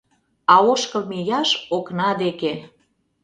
А ошкыл мияш окна деке